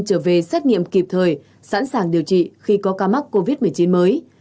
trở về xét nghiệm kịp thời sẵn sàng điều trị khi có ca mắc covid một mươi chín mới